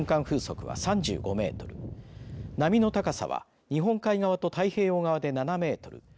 風速は３５メートル波の高さは日本海側と太平洋側で７メートル